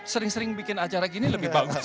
sering sering bikin acara gini lebih bagus